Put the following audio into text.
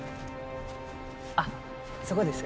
あっそこです。